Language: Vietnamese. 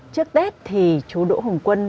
trước tết thì chú đỗ hùng quân